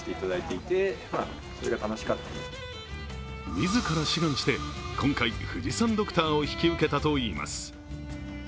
自ら志願して今回富士山ドクターを引き受けたといいます。